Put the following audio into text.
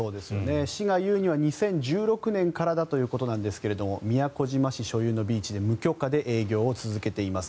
市が言うには２０１６年からということですが宮古島市所有のビーチで無許可で営業を続けています。